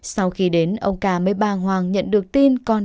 sau khi đến ông km ba hoàng nhận được tin